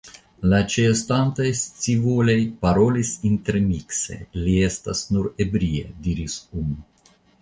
La ĉeestantoj scivolaj parolis intermikse: Li estas nur ebria, diris unu.